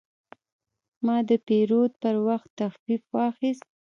ما د پیرود پر وخت تخفیف واخیست.